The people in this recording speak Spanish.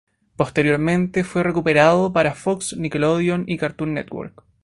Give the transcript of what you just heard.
Posteriormente fue recuperado para Fox, Nickelodeon y Cartoon Network.